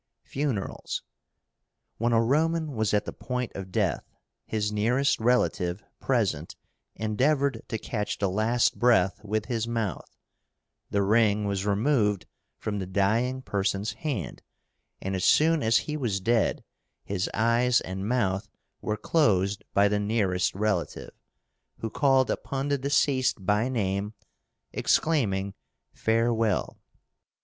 FUNERALS. When a Roman was at the point of death, his nearest relative present endeavored to catch the last breath with his mouth. The ring was removed from the dying person's hand, and as soon as he was dead his eyes and mouth were closed by the nearest relative, who called upon the deceased by name, exclaiming "Farewell!"